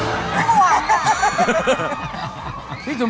ไม่ห่วง